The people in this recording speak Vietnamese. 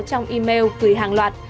trong email từ hàng loạt